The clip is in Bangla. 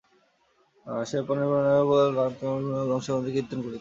সে পাণিগ্রহণার্থী প্রত্যেক রাজকুমারের গুণাগুণ বংশমর্যাদাদি কীর্তন করিত।